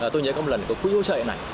tôi nhớ có một lần tôi quỹ hỗ trợ này